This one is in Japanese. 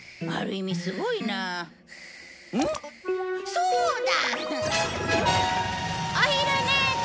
そうだ！